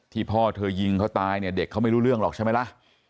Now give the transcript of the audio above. พ่อเธอยิงเขาตายเนี่ยเด็กเขาไม่รู้เรื่องหรอกใช่ไหมล่ะ